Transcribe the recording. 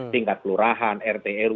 tingkat lurahan rt rw